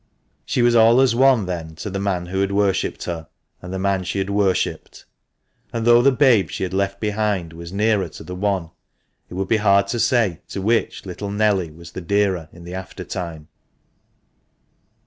She was all as one then to the man who had worshipped her, and the man she had worshipped ; and though the babe she had left behind was nearer to the one, it would be hard to say to which little Nelly was the dearer in the aftertime.